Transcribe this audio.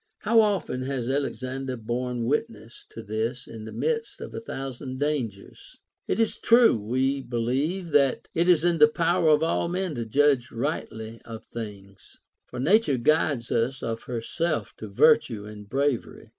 ... How often has Alexander borne witness to this in the midst of a thousand dangers ? It is true, we believe that it is in the power of all men to judge rightly of things ; for nature guides us of herself to virtue and bravery.